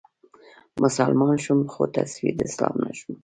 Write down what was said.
مسلمان شوم خو تصوير د اسلام نه شوم